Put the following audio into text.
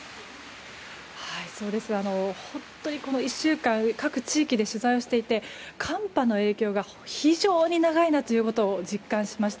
本当に１週間、各地域で取材をしていて寒波の影響が非常に長いなと実感しました。